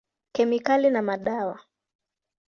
Kemikali na madawa.